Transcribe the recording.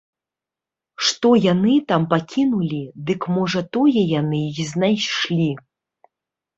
Што яны там пакінулі, дык можа тое яны і знайшлі.